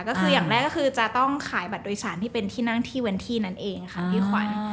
ก็คืออย่างแรกก็คือจะต้องขายบัตรโดยสารที่เป็นที่นั่งที่เว้นที่นั่นเองค่ะพี่ขวัญ